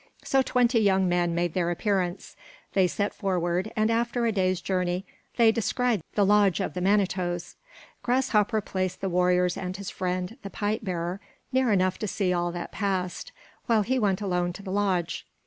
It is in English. So twenty young men made their appearance. They set forward, and after about a day's journey they descried the lodge of the Manitoes. Grasshopper placed the warriors and his friend, the pipe bearer, near enough to see all that passed, while he went alone to the lodge.